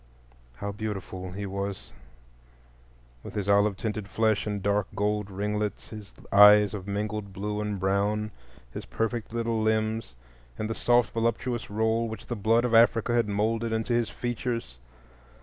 How beautiful he was, with his olive tinted flesh and dark gold ringlets, his eyes of mingled blue and brown, his perfect little limbs, and the soft voluptuous roll which the blood of Africa had moulded into his features!